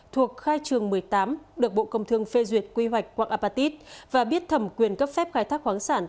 thuộc khai trường một mươi tám được bộ công thương phê duyệt quy hoạch quạng apatit và biết thẩm quyền cấp phép khai thác khoáng sản